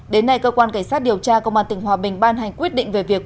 đến nay cơ quan cảnh sát điều tra công an tỉnh hòa bình ban hành quyết định về việc